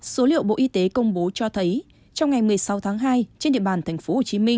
số liệu bộ y tế công bố cho thấy trong ngày một mươi sáu tháng hai trên địa bàn tp hcm